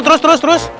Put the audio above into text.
terus terus terus